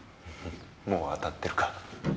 もう当たってるか。